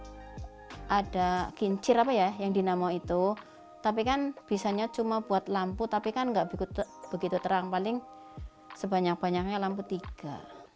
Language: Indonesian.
ya ada kincir apa ya yang dinamo itu tapi kan bisanya cuma buat lampu tapi kan nggak begitu terang paling sebanyak banyaknya lampu tiga